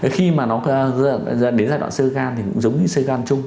khi mà nó dẫn đến giai đoạn sơ gan thì cũng giống như sơ gan chung